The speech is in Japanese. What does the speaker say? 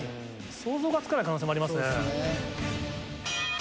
想像がつかない可能性もありますね。